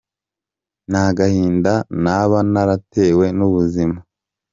n’agahinda naba naratewe n’ubuzima.